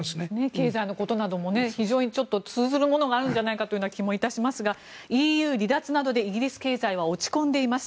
経済のことなども非常に通ずるものがあるんじゃないかという気がしますがＥＵ離脱などでイギリス経済は落ち込んでいます。